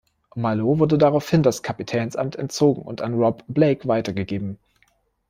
Marleau wurde daraufhin das Kapitänsamt entzogen und an Rob Blake weitergegeben.